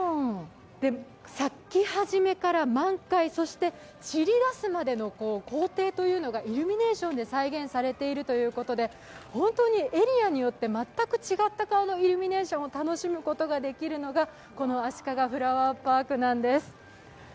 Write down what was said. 咲き始めから満開そして散り出すまでの行程がイルミネーションで再現されているということで本当にエリアによって全く違った顔のイルミネーションを楽しむことができるのが、このあしかがフラワーパークなんです。